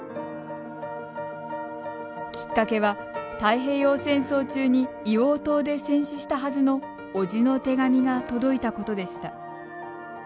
きっかけは、太平洋戦争中に硫黄島で戦死したはずの伯父の手紙が届いたことでした。